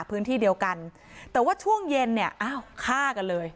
พื้นที่เดียวกันแต่ว่าช่วงเย็นเนี่ยอ้าวฆ่ากันเลย